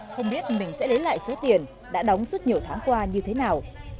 không biết mình sẽ lấy lại số tiền đã đóng suốt nhiều tháng qua như thế nào